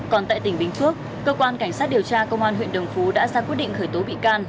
còn tại tỉnh bình phước cơ quan cảnh sát điều tra công an huyện đồng phú đã ra quyết định khởi tố bị can